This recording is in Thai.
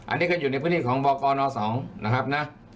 อันนี้ก็อยู่ในพื้นที่ของบกน๒นะครับนะ